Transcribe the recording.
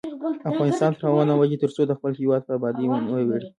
افغانستان تر هغو نه ابادیږي، ترڅو د خپل هیواد په ابادۍ ونه ویاړو.